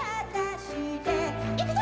いくぞ！